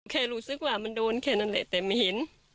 แค่รู้สึกว่ามันโดนแค่นั้นแหละแต่ไม่เห็น